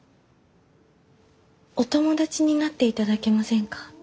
お友達になっていただけませんか？